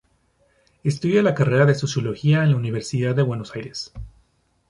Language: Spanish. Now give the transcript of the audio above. Estudia la carrera de Sociología en la Universidad de Buenos Aires.